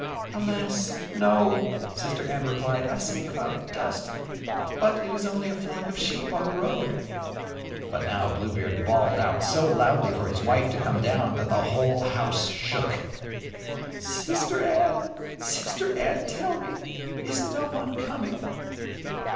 "Alas, No!" Sister Anne replied. "I see a cloud of dust, but it is only a flock of sheep on the road." But now Bluebeard bawled out so loudly for his wife to come down, that the whole house shook. "Sister Anne, Sister Anne, tell me is no one coming?"